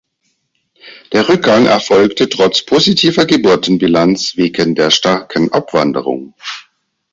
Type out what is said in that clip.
Der Rückgang erfolgte trotz positiver Geburtenbilanz wegen der starken Abwanderung.